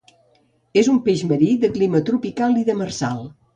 És un peix marí, de clima tropical i demersal.